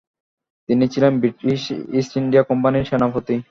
তিনি ছিলেন British East India কোম্পানির সেনাপতি।